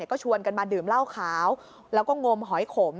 ก็ชวนกันมาดื่มเหล้าขาวแล้วก็งมหอยขม